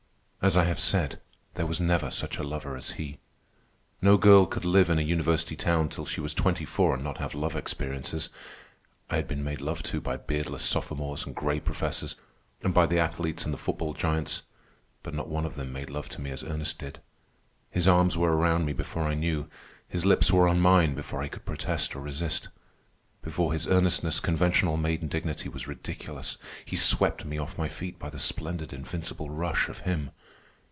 As I have said, there was never such a lover as he. No girl could live in a university town till she was twenty four and not have love experiences. I had been made love to by beardless sophomores and gray professors, and by the athletes and the football giants. But not one of them made love to me as Ernest did. His arms were around me before I knew. His lips were on mine before I could protest or resist. Before his earnestness conventional maiden dignity was ridiculous. He swept me off my feet by the splendid invincible rush of him.